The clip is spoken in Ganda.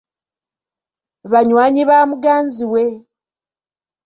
Banywanyi ba muganzi we.